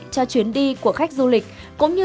cho chuyến đi của khách du lịch cũng như